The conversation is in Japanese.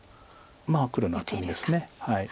まあ黒の厚みです。